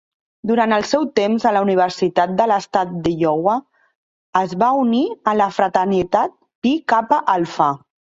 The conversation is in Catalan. Durant el seu temps a la Universitat de l'Estat d'Iowa es va unir a la fraternitat Pi Kappa Alpha.